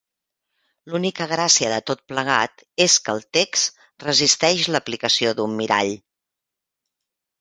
L'única gràcia de tot plegat és que el text resisteix l'aplicació d'un mirall.